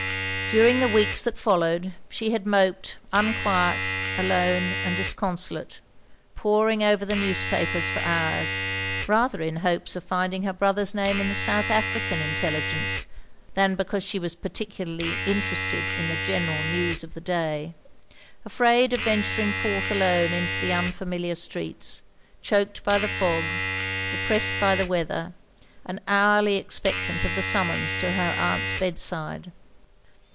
During the weeks that followed, she had moped unquiet, alone, and disconsolate; poring over the newspapers for hours, rather in hopes of finding her brother's name in the South African intelligence, than because she was particularly interested in the general news of the day; afraid of venturing forth alone into the unfamiliar streets ; choked by the fog, depressed by the weather, and hourly expectant of the summons to her aunt's bedside.